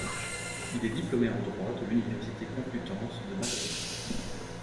Il est diplômé en Droit de l'Université complutense de Madrid.